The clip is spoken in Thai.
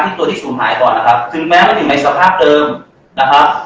ผมได้เรียนให้สื่อของตัวนุษย์ท่านทราบนะครับ